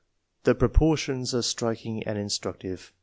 The proportions are striking and instructive.